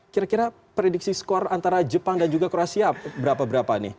kira kira prediksi skor antara jepang dan juga kroasia berapa berapa nih